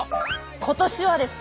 今年はです。